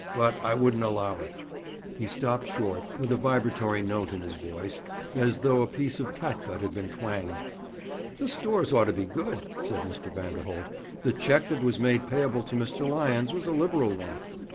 But I wouldn't allow it.' He stopped short, with a vibratory note in his voice, as though a piece of catgut had been twanged. 'The stores ought to be good,' said Mr. Vanderholt. 'The cheque that was made payable to Mr. Lyons was a liberal one.'